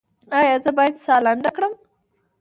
ایا زه باید ساه لنډه کړم؟